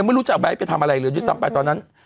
ไม่รู้จะเอาไบท์ไปทำอะไรเลยด้วยซ้ำไปตอนนั้น